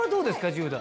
１０代。